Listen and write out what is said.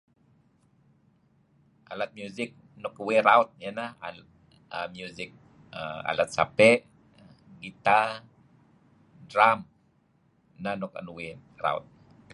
Alat music nuk uih raut ineh alat music alat Sape', guitar, drum. Neh nuk inan uih raut.